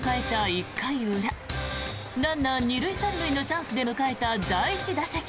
１回裏ランナー２塁３塁のチャンスで迎えた第１打席。